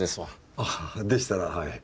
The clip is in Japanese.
ああでしたらはい。